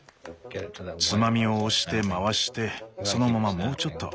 つまみを押して回してそのままもうちょっと。